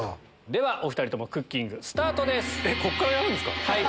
ではお２人ともクッキングスタートです！